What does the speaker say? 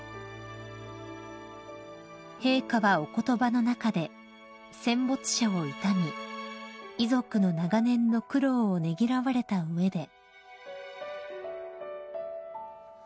［陛下はお言葉の中で戦没者を悼み遺族の長年の苦労をねぎらわれた上で］